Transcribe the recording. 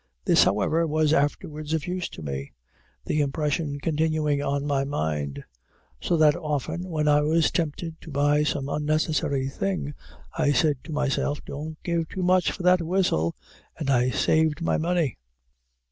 This, however, was afterwards of use to me, the impression continuing on my mind; so that often, when I was tempted to buy some unnecessary thing, I said to myself, Don't give too much for the whistle; and I saved my money.